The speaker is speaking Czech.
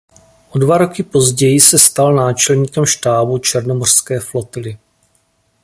Od dva roky později se stal náčelníkem štábu Černomořské flotily.